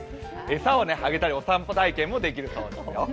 餌をあげたりお散歩体験もできるそうですよ。